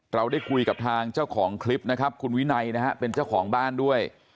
เราได้คุยกับทางเจ้าของคลิปนะครับคุณวินัยนะฮะเป็นเจ้าของบ้านด้วย